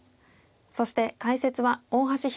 そして解説は大橋拓